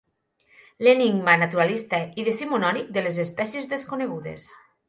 L'enigma naturalista i decimonònic de les espècies desconegudes.